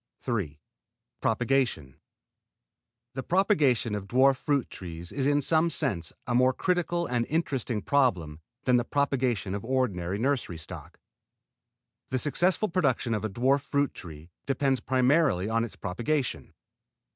III PROPAGATION The propagation of dwarf fruit trees is in some senses a more critical and interesting problem than the propagation of ordinary nursery stock. The successful production of a dwarf fruit tree depends primarily on its propagation.